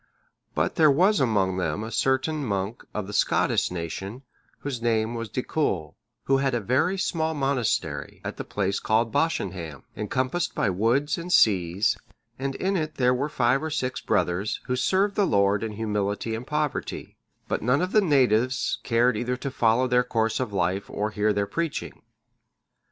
But there was among them a certain monk of the Scottish nation, whose name was Dicul,(622) who had a very small monastery, at the place called Bosanhamm,(623) encompassed by woods and seas, and in it there were five or six brothers, who served the Lord in humility and poverty; but none of the natives cared either to follow their course of life, or hear their preaching.